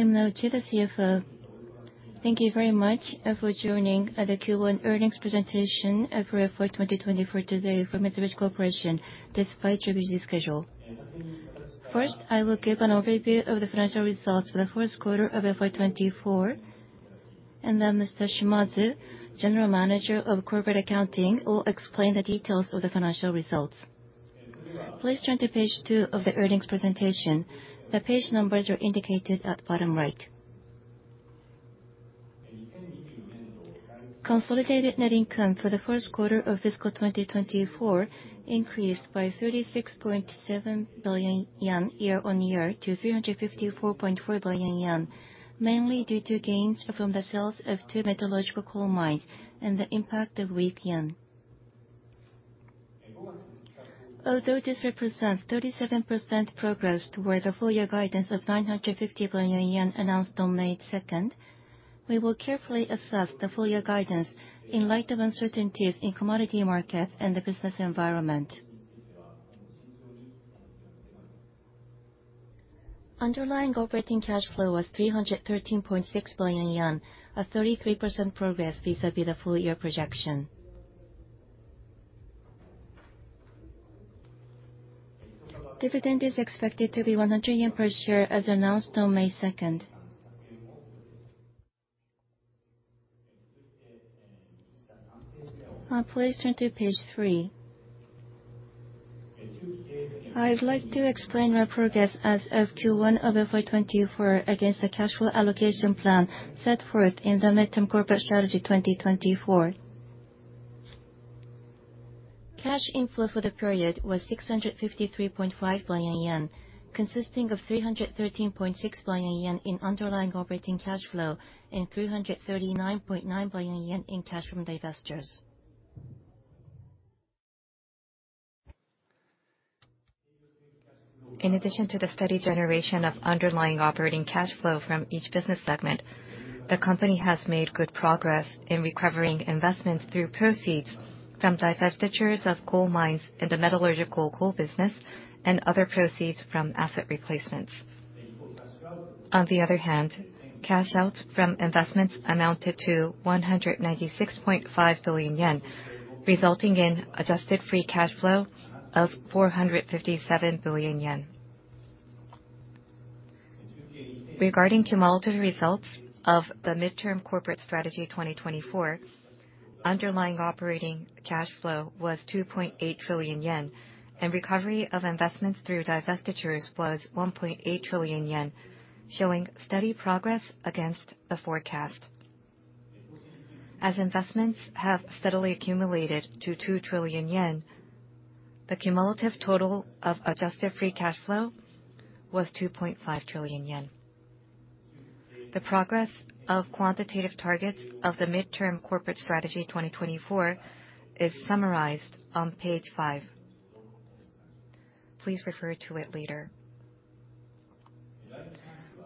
I am Naoki, the CFO. Thank you very much for joining the Q1 earnings presentation for FY 2024 today from Mitsubishi Corporation, despite your busy schedule. First, I will give an overview of the financial results for the first quarter of FY 2024. Then Mr. Shimazu, general manager of corporate accounting, will explain the details of the financial results. Please turn to page two of the earnings presentation. The page numbers are indicated at bottom right. Consolidated net income for the first quarter of fiscal 2024 increased by 36.7 billion yen year-on-year to 354.4 billion yen, mainly due to gains from the sales of two metallurgical coal mines and the impact of weak yen. This represents 37% progress toward the full year guidance of 950 billion yen announced on May 2nd. We will carefully assess the full year guidance in light of uncertainties in commodity markets and the business environment. Underlying Operating Cash Flow was 313.6 billion yen, a 33% progress vis-à-vis the full year projection. Dividend is expected to be 100 yen per share as announced on May 2nd. Please turn to page three. I'd like to explain our progress as of Q1 of FY 2024 against the cash flow allocation plan set forth in the Midterm Corporate Strategy 2024. Cash inflow for the period was 653.5 billion yen, consisting of 313.6 billion yen in Underlying Operating Cash Flow and 339.9 billion yen in cash from divestitures. In addition to the steady generation of Underlying Operating Cash Flow from each business segment, the company has made good progress in recovering investments through proceeds from divestitures of coal mines in the metallurgical coal business and other proceeds from asset replacements. Cash outs from investments amounted to 196.5 billion yen, resulting in Adjusted Free Cash Flow of 457 billion yen. Regarding cumulative results of the Midterm Corporate Strategy 2024, Underlying Operating Cash Flow was 2.8 trillion yen, and recovery of investments through divestitures was 1.8 trillion yen, showing steady progress against the forecast. As investments have steadily accumulated to 2 trillion yen, the cumulative total of Adjusted Free Cash Flow was 2.5 trillion yen. The progress of quantitative targets of the Midterm Corporate Strategy 2024 is summarized on page five. Please refer to it later.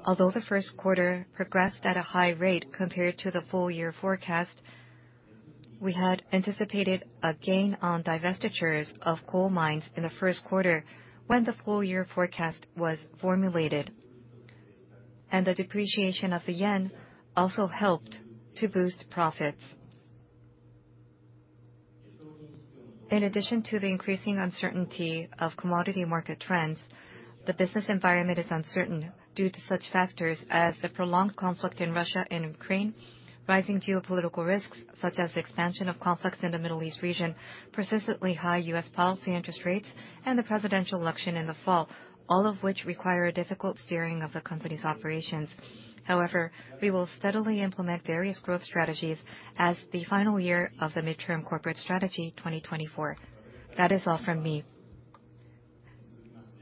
The first quarter progressed at a high rate compared to the full year forecast. We had anticipated a gain on divestitures of coal mines in the first quarter when the full year forecast was formulated. The depreciation of the yen also helped to boost profits. In addition to the increasing uncertainty of commodity market trends, the business environment is uncertain due to such factors as the prolonged conflict in Russia and Ukraine, rising geopolitical risks such as the expansion of conflicts in the Middle East region, persistently high U.S. policy interest rates, and the presidential election in the fall, all of which require a difficult steering of the company's operations. We will steadily implement various growth strategies as the final year of the Midterm Corporate Strategy 2024. That is all from me.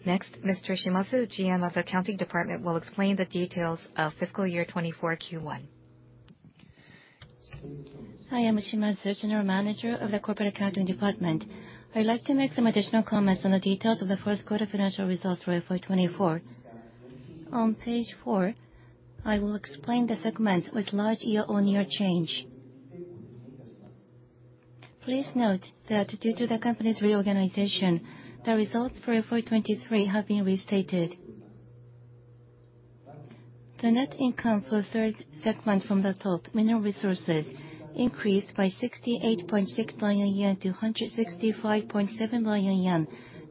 Mr. Shimazu, GM of accounting department, will explain the details of fiscal year 2024 Q1. I am Shimazu, general manager of the corporate accounting department. I'd like to make some additional comments on the details of the first quarter financial results for FY 2024. On page four, I will explain the segments with large year-on-year change. Please note that due to the company's reorganization, the results for FY 2023 have been restated. The net income for third segment from the top, Mineral Resources, increased by 68.6 billion yen to 165.7 billion yen,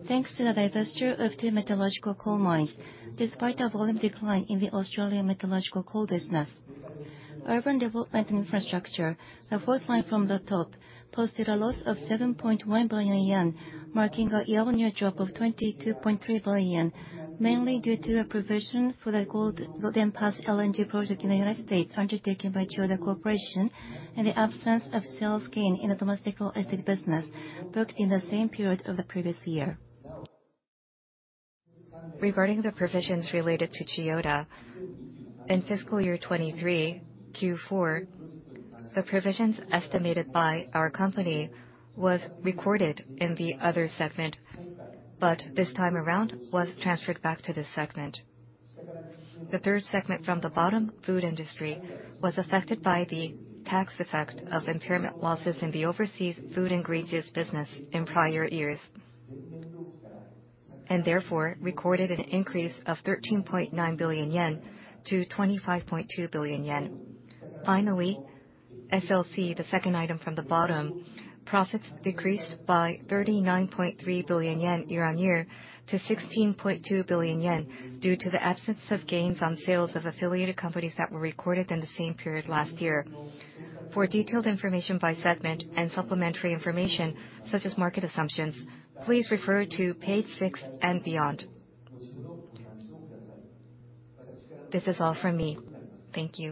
thanks to the divestitures of two metallurgical coal mines, despite a volume decline in the Australian metallurgical coal business. Urban Development & Infrastructure, the fourth line from the top, posted a loss of 7.1 billion yen, marking a year-on-year drop of 22.3 billion yen, mainly due to a provision for the Golden Pass LNG project in the U.S. undertaken by Chiyoda Corporation, and the absence of sales gain in the domestic real estate business booked in the same period of the previous year. Regarding the provisions related to Chiyoda in fiscal year 2023 Q4, the provisions estimated by our company was recorded in the other segment, but this time around was transferred back to this segment. The third segment from the bottom, Food Industry, was affected by the tax effect of impairment losses in the overseas food ingredients business in prior years. Therefore, recorded an increase of 13.9 billion yen to 25.2 billion yen. SLC, the second item from the bottom, profits decreased by 39.3 billion yen year-on-year to 16.2 billion yen due to the absence of gains on sales of affiliated companies that were recorded in the same period last year. For detailed information by segment and supplementary information such as market assumptions, please refer to page six and beyond. This is all from me. Thank you.